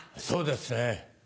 そうですね。